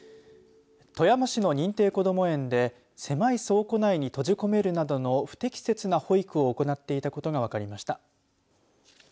富山市の認定こども園で狭い倉庫内に閉じ込めるなどの不適切な保育を行っていたことが分かりました。